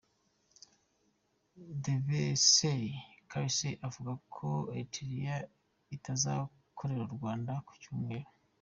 Debesay Mekseb yavuze ko Eritrea itazorohera u Rwanda ku cyumweru.